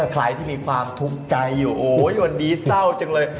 ใครที่มีความทุกข์ใจอยู่โอ้ยวันนี้เศร้าจังเลย